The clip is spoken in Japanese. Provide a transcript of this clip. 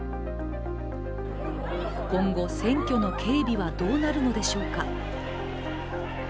今後、選挙の警備はどうなるのでしょうか。